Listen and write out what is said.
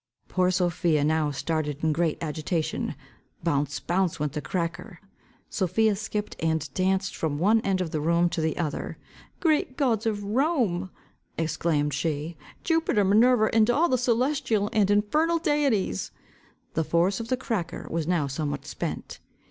Poor Sophia now started in great agitation. "Bounce, bounce," went the cracker. Sophia skipped and danced from one end of the room to the other. "Great gods of Rome," exclaimed she, "Jupiter, Minerva, and all the celestial and infernal deities!" The force of the cracker was now somewhat spent.